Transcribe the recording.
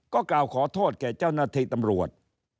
ก็กล่าวขอโทษแก่เจ้าหน้าที่ตำรวจ